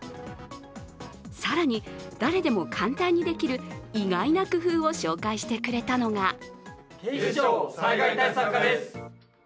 更に、誰でも簡単にできる意外な工夫を紹介してくれたのが警視庁災害対策課です。